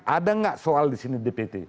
ada gak soal disini dpt